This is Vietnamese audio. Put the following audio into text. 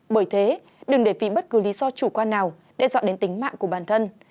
bởi thế đừng để vì bất cứ lý do chủ quan nào đe dọa đến tính mạng của bản thân